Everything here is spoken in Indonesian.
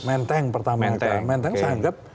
menteng pertama menteng saya anggap